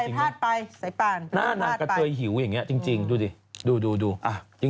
น่านางกะเทยหิวอย่างนี้